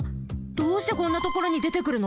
どうしてこんなところにでてくるの？